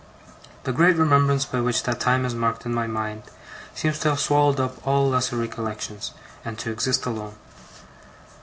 The great remembrance by which that time is marked in my mind, seems to have swallowed up all lesser recollections, and to exist alone.